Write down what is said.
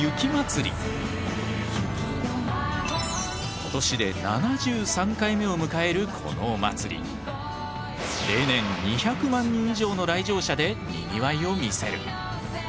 今年で７３回目を迎えるこのお祭り例年２００万人以上の来場者でにぎわいを見せる。